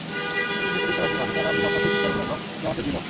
এই পৃথিবীতে বিশ্ববাসীর মাঝে তারা অভিসম্পাতের শিকার হল এবং কিয়ামতের দিনেও।